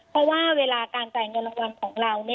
เพราะว่าเวลาการจ่ายเงินรางวัลของเรา